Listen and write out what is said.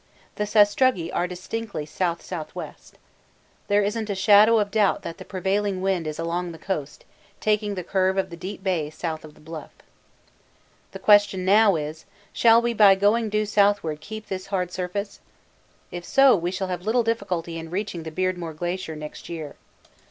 The sastrugi are distinctly S.S.W. There isn't a shadow of doubt that the prevailing wind is along the coast, taking the curve of the deep bay south of the Bluff. The question now is: Shall we by going due southward keep this hard surface? If so, we should have little difficulty in reaching the Beardmore Glacier next year.